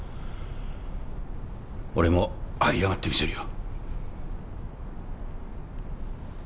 俺もはい上がってみせるよ